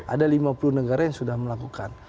ada lima puluh negara yang sudah melakukan